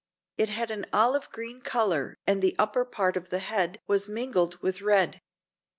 It had an olive green color and the upper part of the head was mingled with red.